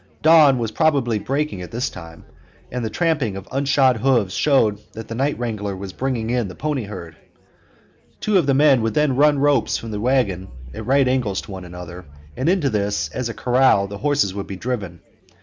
Dawn was probably breaking by this time, and the trampling of unshod hoofs showed that the night wrangler was bringing in the pony herd. Two of the men would then run ropes from the wagon at right angles to one another, and into this as a corral the horses would be driven.